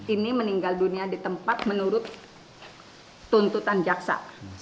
ini meninggal dunia di tempat menurut tuntutan jaksa